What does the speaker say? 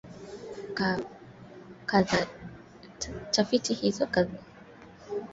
Tafiti hizo kadhalika zinaonesha kuwa jamii hutumia kiwango kikubwa